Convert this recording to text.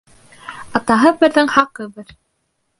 Атаһы берҙең хаҡы бер.